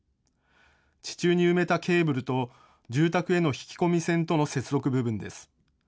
地中に埋めたケーブルと、住宅への引き込み線との接続部分です。